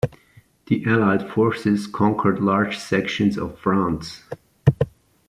The allied forces conquered large sections of France.